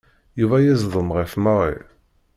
Yuba yeẓdem ɣef Mary.